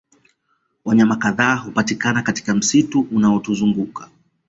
Wanyama kadhaa hupatikana katika msitu unaozunguka